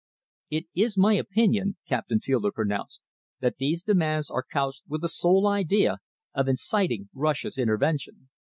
"It is my opinion," Captain Fielder pronounced, "that these demands are couched with the sole idea of inciting Russia's intervention.